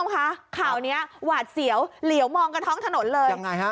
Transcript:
ค่ะข่าวเนี้ยหวาดเสียวเหลวมองกระท้องถนนเลยยังไงฮะ